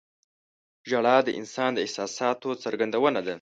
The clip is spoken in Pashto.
• ژړا د انسان د احساساتو څرګندونه ده.